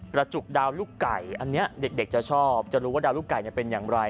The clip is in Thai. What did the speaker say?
กระจุกดาวลูกไก่อันนี้เด็กจะชอบจะรู้ว่าดาวลูกไก่เป็นอย่างไร